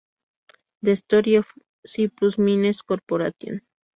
The Story of Cyprus Mines Corporation.